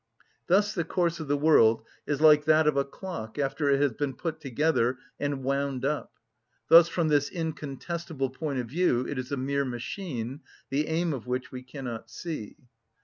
Thus the course of the world is like that of a clock after it has been put together and wound up; thus from this incontestable point of view it is a mere machine, the aim of which we cannot see.